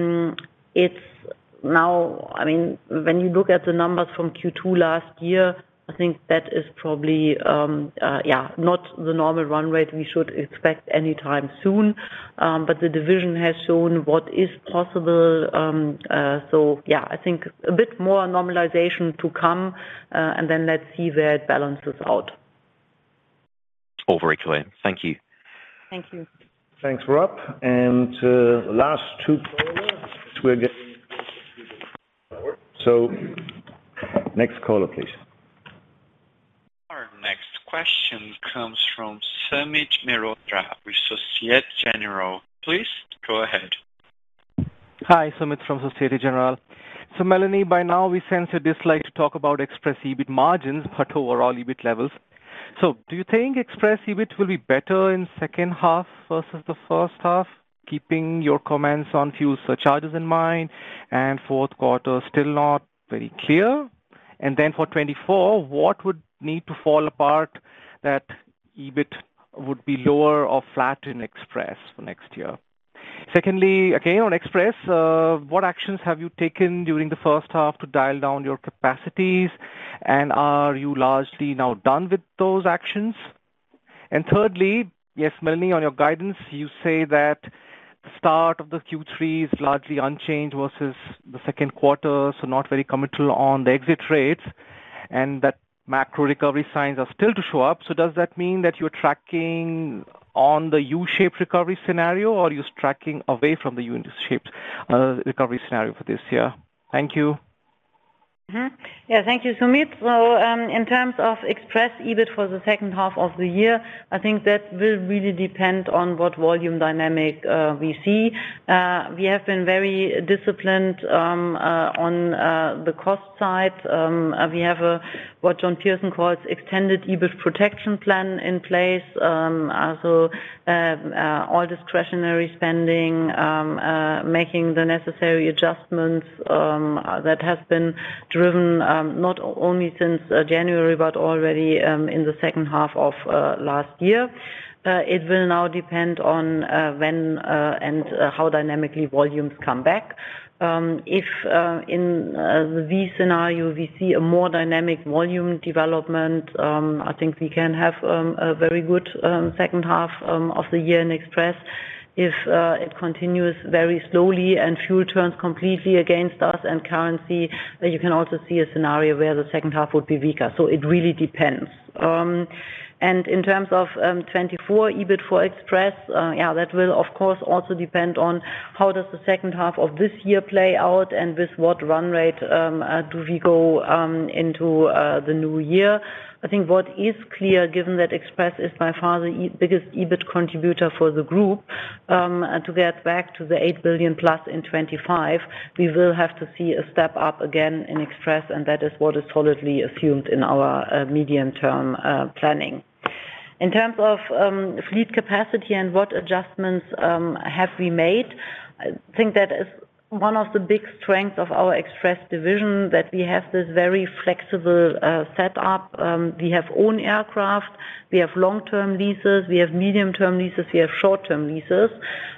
mean, when you look at the numbers from Q2 last year, I think that is probably, yeah, not the normal run rate we should expect any time soon. The division has shown what is possible. Yeah, I think a bit more normalization to come, and then let's see where it balances out. All very clear. Thank you. Thank you. Thanks, Rob, and last two callers we're getting. Next caller, please. Our next question comes from Sumit Mehrotra, Société Générale. Please go ahead. Hi, Sumit from Société Générale. Melanie, by now we sense a dislike to talk about Express EBIT margins, but overall EBIT levels. Do you think Express EBIT will be better in second half versus the first half, keeping your comments on fuel surcharges in mind and fourth quarter, still not very clear? For 2024, what would need to fall apart that EBIT would be lower or flat in Express for next year? Secondly, again, on Express, what actions have you taken during the first half to dial down your capacities, and are you largely now done with those actions? Thirdly, yes, Melanie, on your guidance, you say that the start of the Q3 is largely unchanged versus the second quarter, so not very committed on the exit rates, and that macro recovery signs are still to show up. Does that mean that you're tracking on the U-shaped recovery scenario, or are you tracking away from the U-shaped recovery scenario for this year? Thank you. Yeah, thank you, Sumit. In terms of Express EBIT for the second half of the year, I think that will really depend on what volume dynamic we see. We have been very disciplined on the cost side. We have what John Pearson calls extended EBIT protection plan in place. All discretionary spending, making the necessary adjustments, that has been driven not only since January, but already in the second half of last year. It will now depend on when and how dynamically volumes come back. If in the V scenario, we see a more dynamic volume development, I think we can have a very good second half of the year in Express. If it continues very slowly and fuel turns completely against us and currency, then you can also see a scenario where the second half would be weaker. It really depends. In terms of 2024 EBIT for Express, yeah, that will of course, also depend on how does the second half of this year play out, and with what run rate do we go into the new year. I think what is clear, given that Express is by far the biggest EBIT contributor for the Group, and to get back to the 8 billion plus in 2025, we will have to see a step up again in Express, and that is what is solidly assumed in our medium-term planning. In terms of fleet capacity and what adjustments have we made, I think that is one of the big strengths of our Express division, that we have this very flexible setup. We have own aircraft, we have long-term leases, we have medium-term leases, we have short-term leases,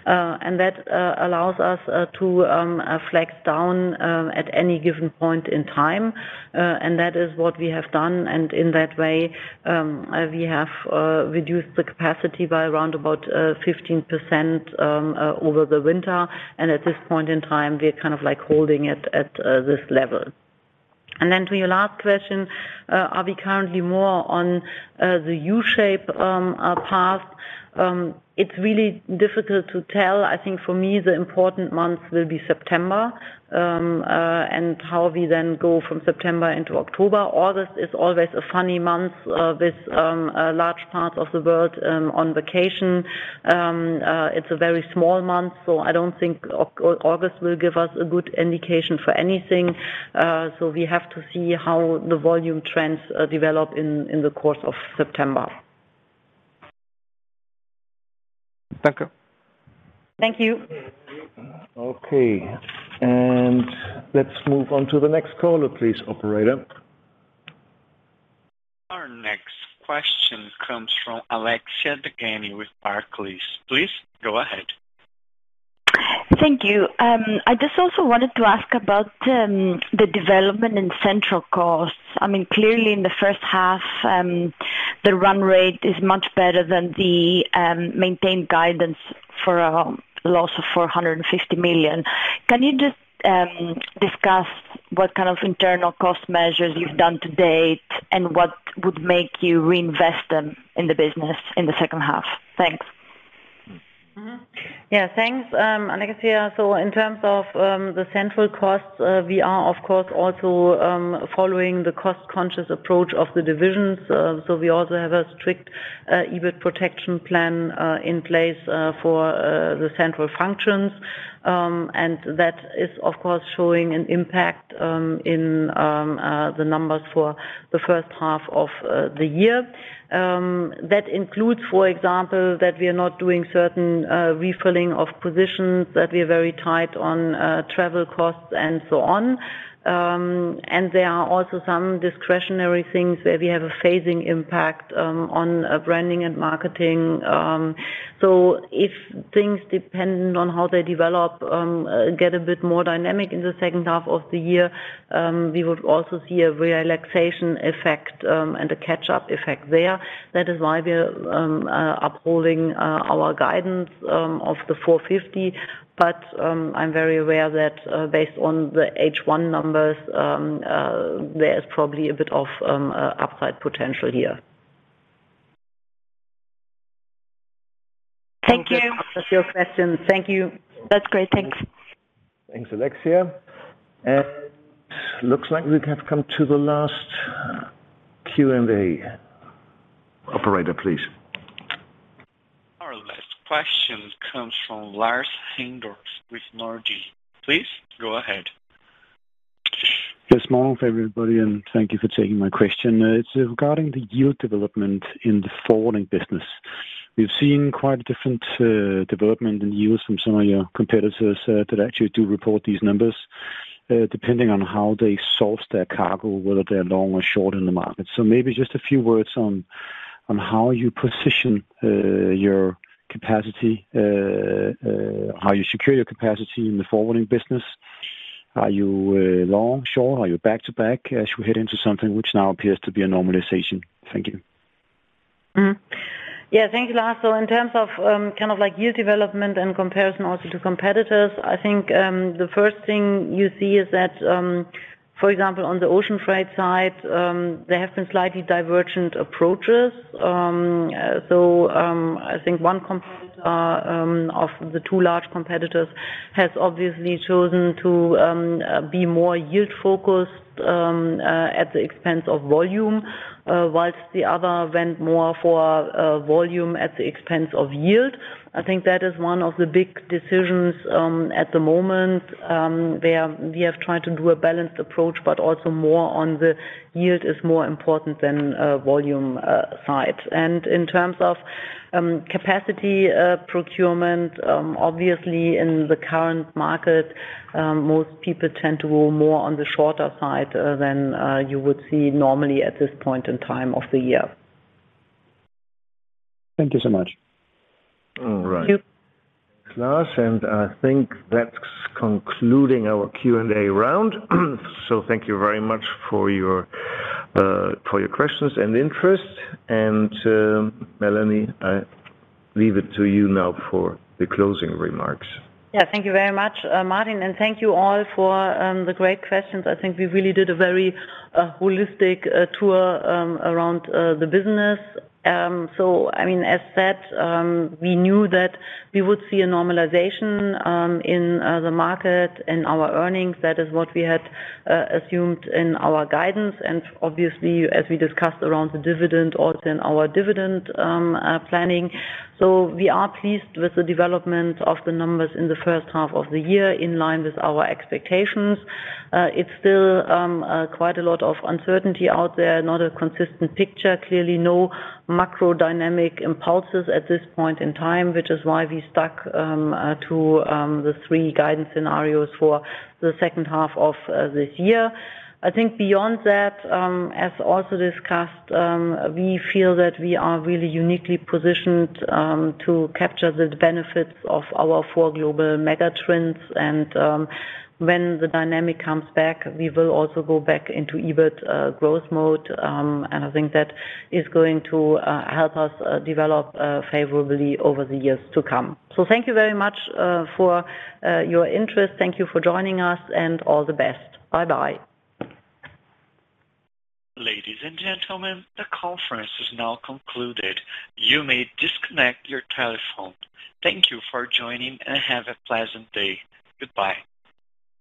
and that allows us to flex down at any given point in time. That is what we have done, and in that way, we have reduced the capacity by around about 15% over the winter. At this point in time, we're kind of like holding it at this level. Then to your last question, are we currently more on the U-shape path? It's really difficult to tell. I think for me, the important month will be September, and how we then go from September into October. August is always a funny month, with a large part of the world on vacation. It's a very small month, so I don't think August will give us a good indication for anything. So we have to see how the volume trends develop in the course of September. Thank you. Thank you. Okay, let's move on to the next caller, please, operator. Our next question comes from Alexia Dogani with Barclays. Please go ahead. Thank you. I just also wanted to ask about the development in central costs. I mean, clearly, in the first half, the run rate is much better than the maintained guidance for a loss of 450 million. Can you just discuss what kind of internal cost measures you've done to date, and what would make you reinvest them in the business in the second half? Thanks. Yeah, thanks, Alexia. In terms of the central costs, we are, of course, also following the cost-conscious approach of the divisions. We also have a strict EBIT protection plan in place for the central functions. That is, of course, showing an impact in the numbers for the first half of the year. That includes, for example, that we are not doing certain refilling of positions, that we are very tight on travel costs and so on. There are also some discretionary things where we have a phasing impact on branding and marketing. If things dependent on how they develop, get a bit more dynamic in the second half of the year, we would also see a relaxation effect, and a catch-up effect there. That is why we are upholding our guidance of 450. I'm very aware that, based on the H1 numbers, there is probably a bit of upside potential here. Thank you. I hope that answers your question. Thank you. That's great. Thanks. Thanks, Alexia. Looks like we have come to the last Q&A. Operator, please. Our last question comes from Lars Heindorff with Nordea. Please go ahead. Yes, morning, everybody, and thank you for taking my question. It's regarding the yield development in the forwarding business. We've seen quite a different development in yields from some of your competitors that actually do report these numbers depending on how they source their cargo, whether they're long or short in the market. Maybe just a few words on how you position your capacity, how you secure your capacity in the Forwarding business. Are you long, short? Are you back-to-back as you head into something which now appears to be a normalization? Thank you. Yeah, thank you, Lars. In terms of, kind of like yield development and comparison also to competitors, I think, the first thing you see is that, for example, on the ocean freight side, there have been slightly divergent approaches. I think one competitor, of the two large competitors, has obviously chosen to be more yield focused, at the expense of volume, whilst the other went more for volume at the expense of yield. I think that is one of the big decisions at the moment. We are, we have tried to do a balanced approach, but also more on the yield is more important than volume side. In terms of capacity, procurement, obviously, in the current market, most people tend to go more on the shorter side than you would see normally at this point in time of the year. Thank you so much. All right. Thank you. Lars, I think that's concluding our Q&A round. Thank you very much for your for your questions and interest. Melanie, I leave it to you now for the closing remarks. Thank you very much, Martin, and thank you all for the great questions. I think we really did a very holistic tour around the business. I mean, as said, we knew that we would see a normalization in the market and our earnings. That is what we had assumed in our guidance, and obviously, as we discussed around the dividend, also in our dividend planning. We are pleased with the development of the numbers in the first half of the year, in line with our expectations. It's still quite a lot of uncertainty out there, not a consistent picture. Clearly, no macro dynamic impulses at this point in time, which is why we stuck to the three guidance scenarios for the second half of this year. I think beyond that, as also discussed, we feel that we are really uniquely positioned to capture the benefits of our four global mega trends. When the dynamic comes back, we will also go back into EBIT growth mode, and I think that is going to help us develop favorably over the years to come. Thank you very much for your interest. Thank you for joining us, and all the best. Bye-bye. Ladies and gentlemen, the conference is now concluded. You may disconnect your telephone. Thank you for joining, and have a pleasant day. Goodbye.